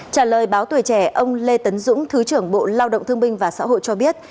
trả lời báo tuổi trẻ ông lê tấn dũng thứ trưởng bộ lao động thương binh và xã hội cho biết